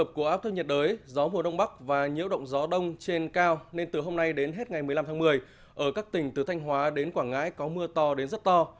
mức báo động một và báo động hai